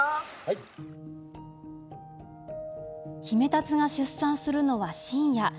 ヒメタツが出産するのは深夜。